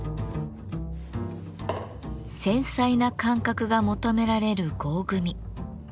繊細な感覚が求められる合組。